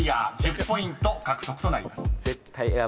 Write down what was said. ［１０ポイント獲得となります］